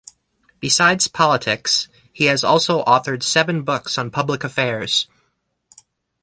Besides politics he also authored seven books on public affairs.